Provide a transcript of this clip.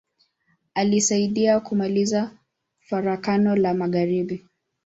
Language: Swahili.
Alisaidia kumaliza Farakano la magharibi.